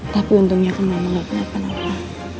tapi untungnya kamu gak punya penapa